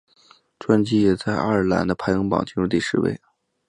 专辑也在爱尔兰的排行榜进入前十位。